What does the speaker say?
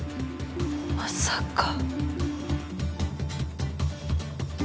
まさか。